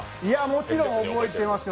もちろん覚えてますよ。